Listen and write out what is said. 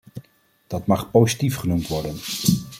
Dat mag positief genoemd worden.